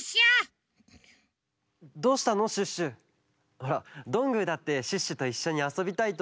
ほらどんぐーだってシュッシュといっしょにあそびたいと。